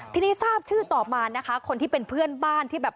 ทีนี้ทราบชื่อต่อมานะคะคนที่เป็นเพื่อนบ้านที่แบบ